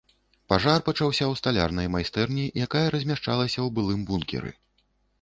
Пажар пачаўся ў сталярнай майстэрні, якая размяшчалася ў былым бункеры.